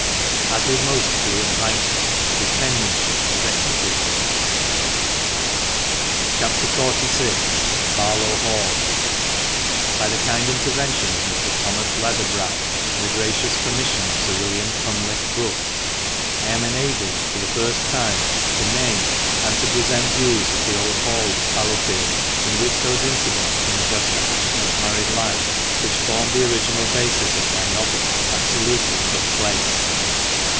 AS with most fluent writers, her penmanship was execrable. FINAL APPENDIX. 479 CHAP. XLIV.— BARLOW HALL.— By the kind intervention of Mr. Thomas Letherbrow, and the gracious permission of Sir William Cunliffe Brookes, I am enabled for the first time to name and to present views of the old hall at Fallowfield in which those incidents in Augusta Ashton's married life which formed the original basis of my novel absolutely took place.